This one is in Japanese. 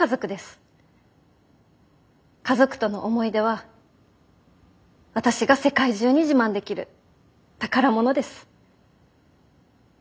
家族との思い出は私が世界中に自慢できる宝物です。